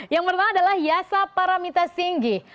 yang pertama adalah yasa paramita singgi